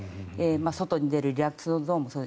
外に出るリラックスゾーンもそうだし